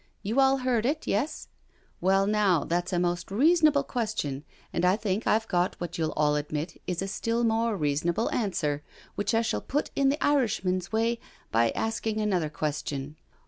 You all heard it — yes? Well, now that's a most reasonable question, and I think I've got what you'll all admit is a still more reasonable answer, which I shall put in the Irishman's way by asking another question.